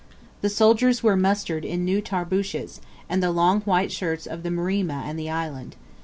The soldiers were mustered in new tarbooshes, and the long white shirts of the Mrima and the Island.